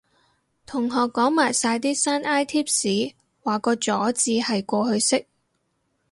同學講埋晒啲山埃貼士話個咗字係過去式